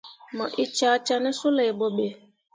Mu ee cah cah ne suley boɓe.